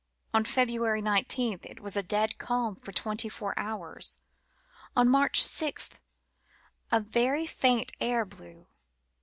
On February 19 it was a dead calm for twenty four hours. On March 6 a very faint air blew.